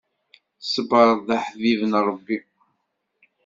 Ṣṣbeṛ d aḥbib n Ṛebbi.